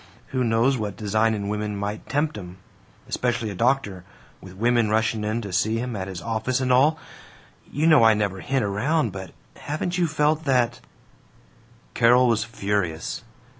Who knows what designin' women might tempt him! Especially a doctor, with women rushin' in to see him at his office and all! You know I never hint around, but haven't you felt that " Carol was furious.